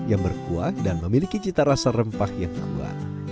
yang berkuat dan memiliki cita rasa rempah yang nambah